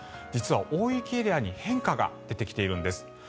実は大雪エリアに変化が出てきているんです。